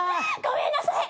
ごめんなさい！